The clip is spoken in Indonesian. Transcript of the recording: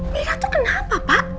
mira tuh kenapa pak